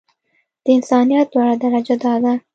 د انسانيت لوړه درجه دا ده.